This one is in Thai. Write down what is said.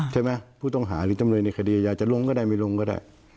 ผู้ต้องหาหรือจำเลยในคดีอยากจะลงก็ได้ไม่ลงก็ได้